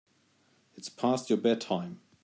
It's past your bedtime.